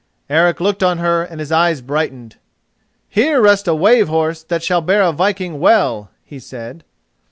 Eric looked on her and his eyes brightened. "Here rests a wave horse that shall bear a viking well," he said.